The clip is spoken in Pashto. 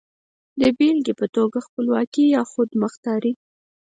د بېلګې په توګه خپلواکي يا خودمختاري.